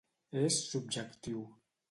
És subjectiu.